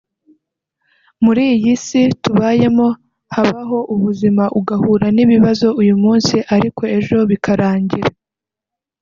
muri iyi si tubayemo habaho ubuzima ugahura n’ibibazo uyu munsi ariko ejo bikarangira